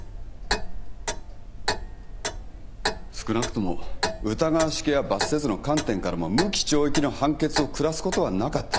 少なくとも疑わしきは罰せずの観点からも無期懲役の判決を下すことはなかった。